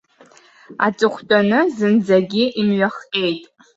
Аҵыхәтәаны зынӡагьы имҩахҟьеит.